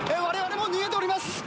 我々も逃げております